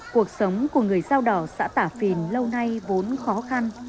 cuộc sống của người dao đỏ xã tả phìn lâu nay vốn khó khăn